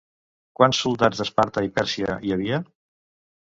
Quants soldats d'Esparta i Pèrsia hi havia?